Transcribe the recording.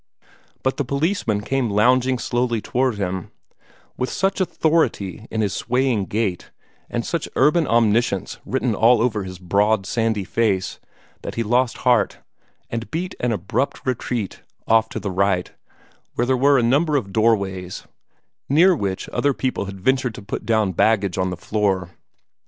But the policeman came lounging slowly toward him, with such authority in his swaying gait, and such urban omniscience written all over his broad, sandy face, that he lost heart, and beat an abrupt retreat off to the right, where there were a number of doorways, near which other people had ventured to put down baggage on the floor.